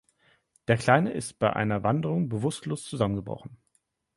Der Kleine ist bei einer Wanderung bewusstlos zusammengebrochen.